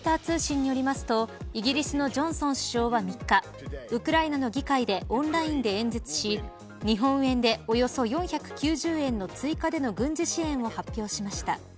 ロイター通信によりますとイギリスのジョンソン首相は３日ウクライナの議会でオンラインで演説し日本円でおよそ４９０億円の追加の軍事支援を発表しました。